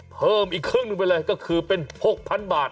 เพิ่มอีกครึ่งหนึ่งไปเลยก็คือเป็น๖๐๐๐บาท